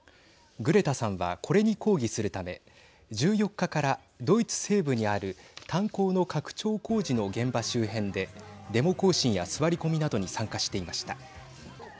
グレタさんはこれに抗議するため１４日からドイツ西部にある炭鉱の拡張工事の現場周辺でデモ行進や座り込みなどに参加していました。